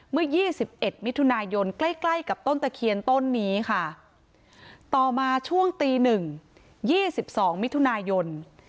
เมื่อ๒๑มิถุนายนใกล้ใกล้กับต้นตะเคียนต้นนี้ค่ะต่อมาช่วงตีหนึ่งยี่สิบสองมิถุนายน